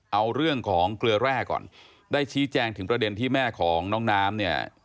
เอาเรื่องของเกลือแร่ก่อนได้ชี้แจงถึงประเด็นที่แม่ของน้องน้ำเนี่ย